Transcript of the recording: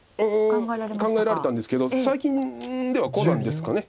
考えられたんですけど最近ではこうなんですかね。